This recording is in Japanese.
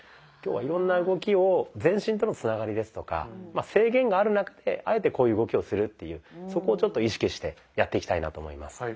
今日はいろんな動きを全身とのつながりですとか制限がある中であえてこういう動きをするっていうそこをちょっと意識してやっていきたいなと思います。